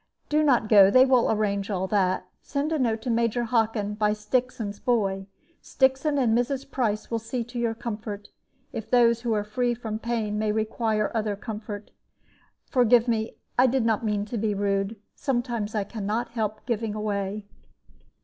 Do not go; they will arrange all that. Send a note to Major Hockin by Stixon's boy. Stixon and Mrs. Price will see to your comfort, if those who are free from pain require any other comfort. Forgive me; I did not mean to be rude. Sometimes I can not help giving way."